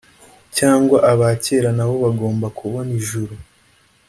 cyangwa aba kera bagomba nabo kubona ijuru